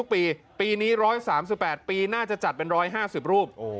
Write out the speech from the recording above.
ปีปีนี้๑๓๘ปีน่าจะจัดเป็น๑๕๐รูป